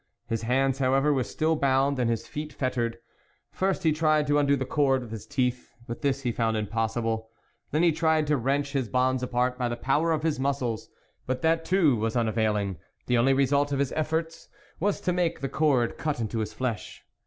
His hands however were still bound, and his feet fettered. First he tried to undo the cord with his teeth, but this he found impossible. Then he tried to wrench his bonds apart by the power THE WOLF LEADER 99 of his muscles, but that too was unavail ing ; the only result of his efforts was to make the cord cut into his flesh.